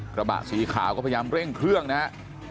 กระบะสีขาวก็พยายามเร่งเครื่องนะฮะ